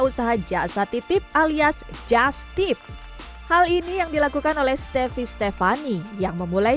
usaha jasa titip alias justip hal ini yang dilakukan oleh stefi stefani yang memulai